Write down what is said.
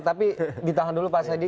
tapi ditahan dulu pak saidi